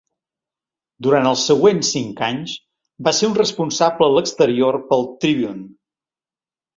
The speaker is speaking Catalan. Durant els següents cinc anys, va ser un responsable a l'exterior pel "Tribune".